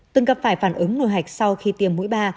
từng cặp phải phản ứng nổi hạch sau khi tiêm mũi ba